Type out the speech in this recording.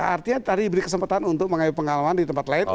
artinya tadi diberi kesempatan untuk mengambil pengalaman di tempat lain